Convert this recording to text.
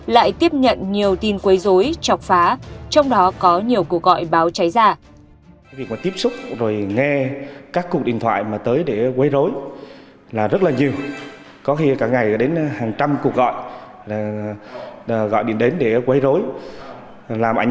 lại tiếp nhận nhiều tin quây dối chọc phá trong đó có nhiều cuộc gọi báo cháy ra